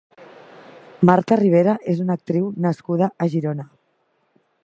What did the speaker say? Marta Ribera és una actriu nascuda a Girona.